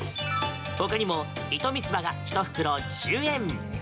ほかにも糸三つ葉が１袋１０円